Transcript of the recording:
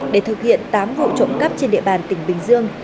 để thực hiện tám vụ trộm cắp trên địa bàn